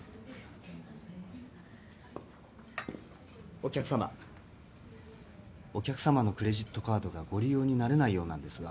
お客さまお客さまのクレジットカードがご利用になれないようなんですが。